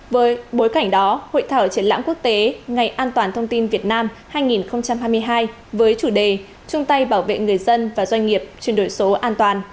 với bối cảnh đó hội thảo triển lãm quốc tế ngày an toàn thông tin việt nam hai nghìn hai mươi hai với chủ đề trung tây bảo vệ người dân và doanh nghiệp chuyển đổi số an toàn